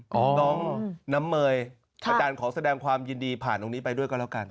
น้องน้ำเมยอาจารย์ขอแสดงความยินดีผ่านตรงนี้ไปด้วยก็แล้วกัน